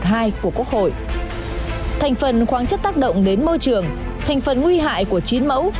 thành phần khoáng chất tác động đến môi trường thành phần nguy hại của chín mẫu